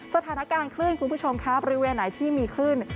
สถานการณ์คลื่นคุณผู้ชมครับบริเวณไหนที่มีคลื่น